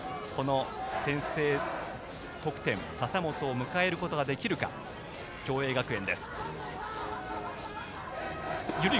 先制得点で笹本を迎えることができるか共栄学園。